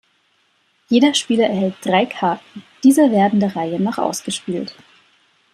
Jeder Spieler erhält "drei Karten"; diese werden der Reihe nach ausgespielt.